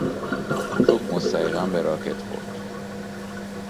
توپ مستقیما به راکت خورد.